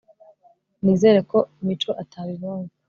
nizere ko mico atabibonye